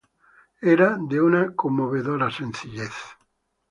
Era de una conmovedora sencillez.